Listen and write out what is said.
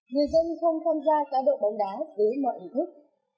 người dân không tham gia cá độ bóng đá với mọi ảnh thức